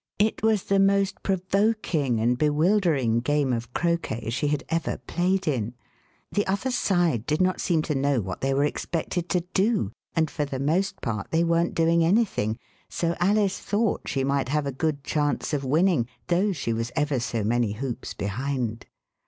It was the most provoking and bewildering game of croquet she had ever played in. The other side did not seem to know what they were expected to do, and, for the most part, they weren't doing anything, so Alice thought she might have a good chance of winning — though she was ever so many hoops behind.